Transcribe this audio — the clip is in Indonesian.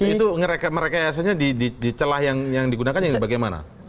itu merekayasannya di celah yang digunakan ini bagaimana